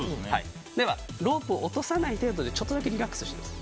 では、ロープを落とさない程度でちょっとだけリラックス。